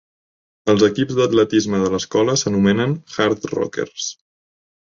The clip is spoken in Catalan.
Els equips d'atletisme de l'escola s'anomenen els "Hardrockers".